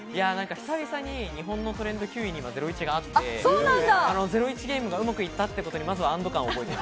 久々に日本のトレンド９位に『ゼロイチ』があって、ゼロイチゲームがうまくいったことに安堵感を覚えている。